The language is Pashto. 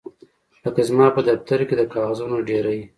لکه زما په دفتر کې د کاغذونو ډیرۍ